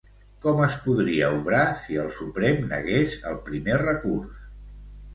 Com es podria obrar si el Suprem negués el primer recurs?